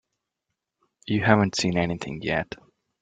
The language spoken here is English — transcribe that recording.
You haven't seen anything yet.